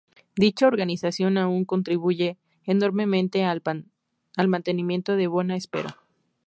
Dicha organización aún contribuye enormemente al mantenimiento de Bona Espero.